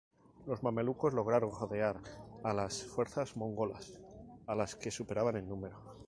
Los mamelucos lograron rodear a las fuerzas mongolas, a las que superaban en número.